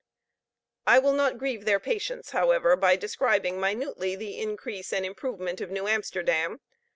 I will not grieve their patience, however, by describing minutely the increase and improvement of New Amsterdam.